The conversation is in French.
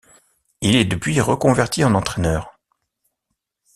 Il est depuis reconverti en entraîneur.